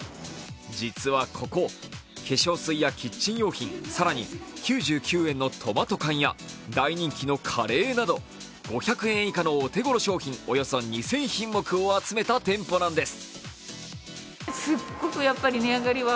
実はここ、化粧水やキッチン用品、更に９９円のトマト缶や大人気のカレーなど５００円以下のお手頃商品およそ２０００品目を集めた店舗なんです。